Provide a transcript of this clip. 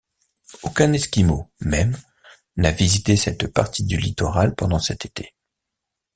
Aucun Esquimau, même, n’a visité cette partie du littoral pendant cet été...